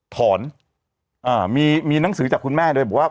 มีหนังสือจากคุณแม่โดยบอกว่า